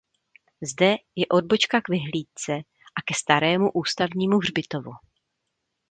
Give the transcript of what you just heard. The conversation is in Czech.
Zde je odbočka k vyhlídce a ke starému ústavnímu hřbitovu.